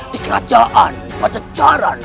di kerajaan pada jalan